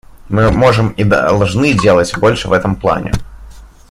Мы можем и должны делать больше в этом плане.